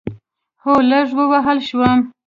هو، لږ ووهل شوم